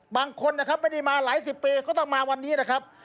บางคนนะครับไม่ได้มาหลายสิบปีก็ต้องมาวันนี้นะครับ